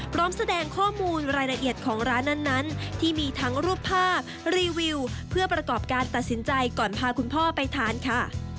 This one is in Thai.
พร้อมแสดงข้อมูลรายละเอียดของร้านนั้นที่มีทั้งรูปภาพรีวิวเพื่อประกอบการตัดสินใจก่อนพาคุณพ่อไปทานค่ะ